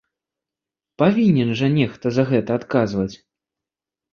Павінен жа нехта за гэта адказваць!